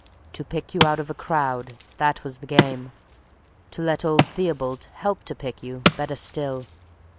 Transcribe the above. To pick you out of a crowd, that was the game; to let old Theobald help to pick you, better still!